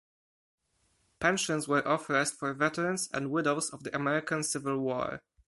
Pensions were authorized for veterans and widows of the American Civil War.